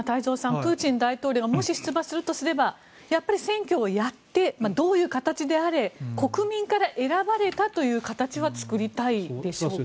プーチン大統領がもし出馬するとすればやっぱり、選挙をやってどういう形であれ国民から選ばれたという形は作りたいんでしょうか？